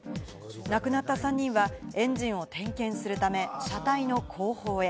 亡くなった３人はエンジンを点検するため車体の後方へ。